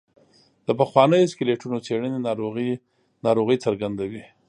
د پخوانیو سکلیټونو څېړنې ناروغۍ څرګندوي.